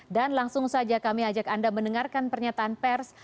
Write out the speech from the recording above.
dan langsung saja kami ajak anda mendengarkan pernyataan pers